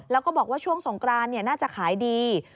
แล้วก็บอกว่าช่วงสงกรานน่าจะขายดี